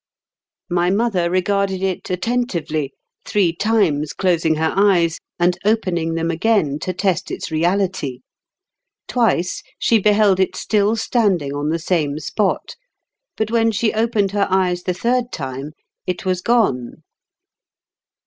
My 172 IN KENT WITH 0EABLE8 DICKENS. mother regarded it attentively, three times closing her eyes, and opening them again to test its reality. Twice she beheld it still standing on the same spot ; but when she opened her eyes the third time it was gone.